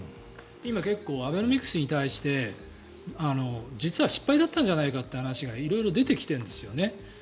今、アベノミクスに対して実は失敗だったんじゃないかという話が色々、出てきているんですよね。